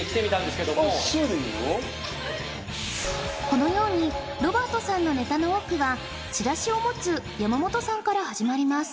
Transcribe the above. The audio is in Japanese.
このようにロバートさんのネタの多くはチラシを持つ山本さんから始まります